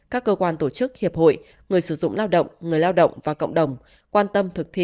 các cơ quan tổ chức hiệp hội người sử dụng lao động người lao động và cộng đồng quan tâm thực thi